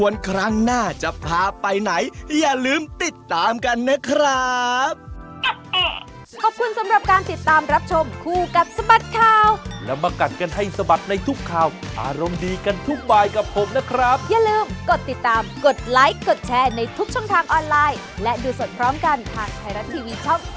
อย่าลืมติดตามกันนะครับ